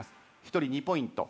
１人２ポイント。